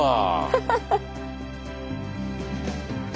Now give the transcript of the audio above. ハハハ。